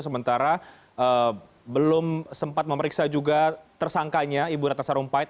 sementara belum sempat memeriksa juga tersangkanya ibu ratna sarumpait